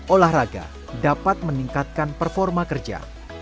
olahraga dapat meningkatkan performa kerja